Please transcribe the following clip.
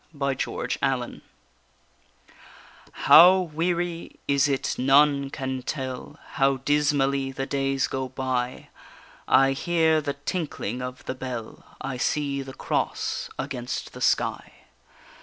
_ SPELL BOUND How weary is it none can tell, How dismally the days go by! I hear the tinkling of the bell, I see the cross against the sky.